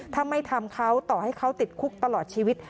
ถ้าไม่ทำเขาต่อให้เขาติดคุกตลอดชีวิต